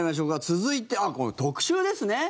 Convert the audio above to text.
続いて特集ですね。